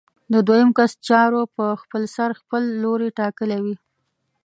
د دویم کس چارو په خپلسر خپل لوری ټاکلی وي.